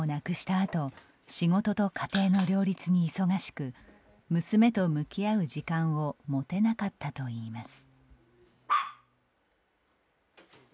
あと仕事と家庭の両立に忙しく娘と向き合う時間を持てなかったといいます。